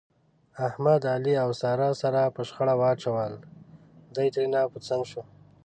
احمد، علي او ساره سره په شخړه واچول، دی ترېنه په څنګ شو.